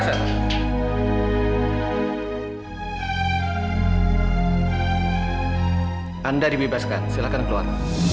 anda dibebaskan silahkan keluar